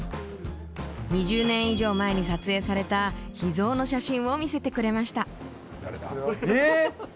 ２０年以上前に撮影された秘蔵の写真を見せてくれました。